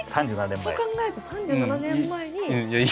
そう考えると３７年前に。